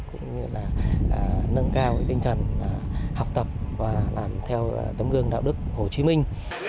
cũng như là nâng cao tinh thần học tập và làm theo tấm gương đạo đức hồ chí minh